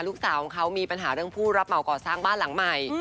ลูกสาวของเขามีปัญหาเรื่องผู้รับเหมาก่อสร้างบ้านหลังใหม่